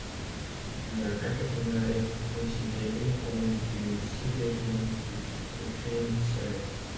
La Rađevina est considérée comme une sous-région du Podrinje serbe.